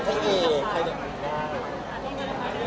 สวัสดีครับ